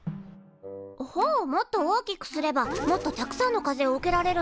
ほをもっと大きくすればもっとたくさんの風を受けられるんじゃない？